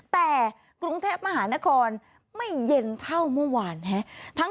แต่กรุงเทพมหานครไม่เย็นเท่าเมื่อวานฮะ